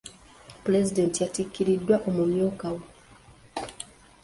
Pulezidenti yakiikiriddwa omumyuuka we.